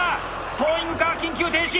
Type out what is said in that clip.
トーイングカー緊急停止！